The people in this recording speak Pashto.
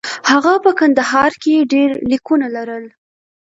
هغه په کندهار کې ډبرلیکونه لرل